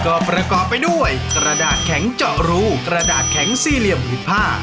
กระดาษแข็งเจาะรูกระดาษแข็งสี่เหลี่ยมผลิตผ้า